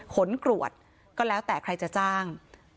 ขนกรวดก็แล้วแต่ใครจะจ้าง